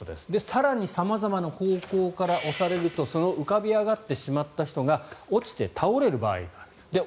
更に様々な方向から押されるとその浮かび上がってしまった人が落ちて倒れる場合がある。